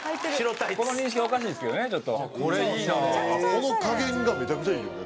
この加減がめちゃくちゃいい。